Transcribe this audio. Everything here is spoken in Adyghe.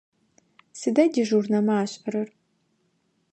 Сыда дежурнэмэ ашӏэрэр?